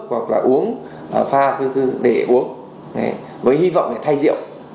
hoặc là uống pha thư thư để uống với hy vọng để thay rượu